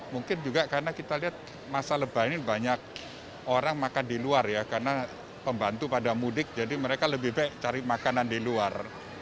mungkin juga karena kita lihat masa lebaran ini banyak orang makan di luar ya karena pembantu pada mudik jadi mereka lebih baik cari makanan di luar